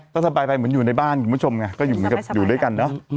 ก็สบายไปเหมือนอยู่ในบ้านคุณผู้ชมไงก็อยู่ด้วยกันนะ